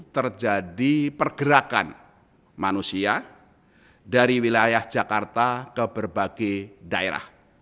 terjadi pergerakan manusia dari wilayah jakarta ke berbagai daerah